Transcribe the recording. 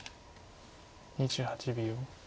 ２８秒。